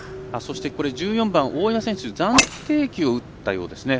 １４番、大岩選手暫定球を打ったようです。